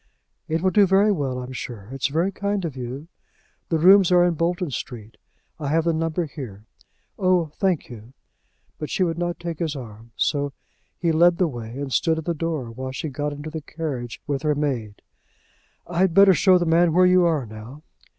"It will do very well I'm sure. It's very kind of you. The rooms are in Bolton Street. I have the number here. Oh! thank you." But she would not take his arm. So he led the way, and stood at the door while she got into the carriage with her maid. "I'd better show the man where you are now."